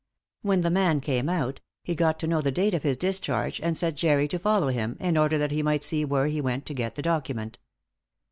When the man came out, he got to know the date of his discharge, and set Jerry to follow him in order that he might see where he went to get the document.